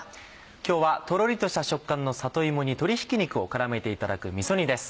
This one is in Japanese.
今日はトロリとした食感の里芋に鶏ひき肉を絡めていただくみそ煮です。